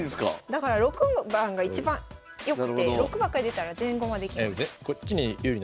だから６番が一番良くて６ばっかり出たら全駒できます。